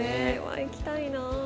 行きたいな。